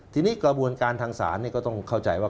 ทีนี้กระบวนการทางศาลก็ต้องเข้าใจว่า